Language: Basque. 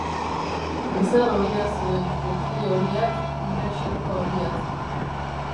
Bizar horia zuen, betile horiak, ile xerlo horiak.